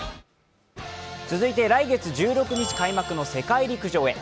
続いて、来月１６日開幕の世界陸上へ。